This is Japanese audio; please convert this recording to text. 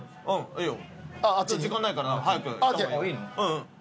いいよ。